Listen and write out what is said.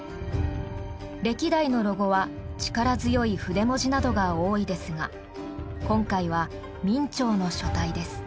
歴代のロゴは力強い筆文字などが多いですが今回は明朝の書体です。